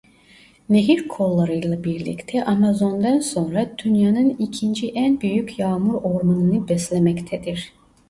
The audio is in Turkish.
Nehir kollarıyla birlikte Amazon'nden sonra dünya'nın ikinci en büyük yağmur ormanını beslemektedir.